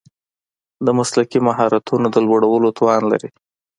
د مسلکي مهارتونو د لوړولو توان لري.